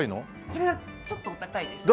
これはちょっとお高いですね。